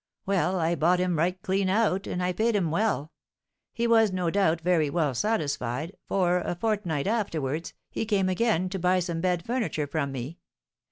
Well, I bought him right clean out, and I paid him well; he was, no doubt, very well satisfied, for, a fortnight afterwards, he came again, to buy some bed furniture from me.